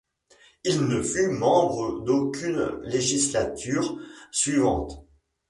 Il ne fut membre d'aucune législature suivante.